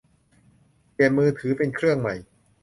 เปลี่ยนมือถือเป็นเครื่องใหม่